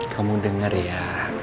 kamu denger ya